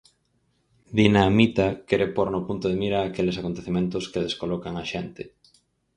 Dina Mita quere pór no punto de mira aqueles acontecementos que descolocan á xente.